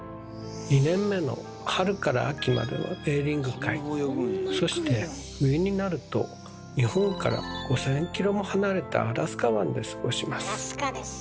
２年目の春から秋まではベーリング海そして冬になると日本から５，０００ｋｍも離れたアラスカ湾で過ごします。